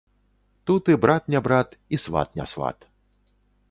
Тут і брат не брат і сват не сват.